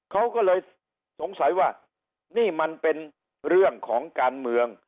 เขาก็เลยสงสัยว่านี่มันเป็นเรื่องของการเมือง